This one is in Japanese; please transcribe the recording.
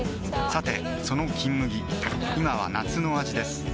さてその「金麦」今は夏の味です